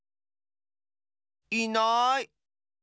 いない！